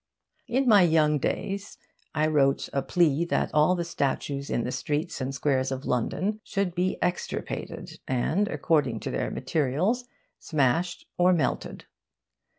In my young days, I wrote a plea that all the statues in the streets and squares of London should be extirpated and, according to their materials, smashed or melted.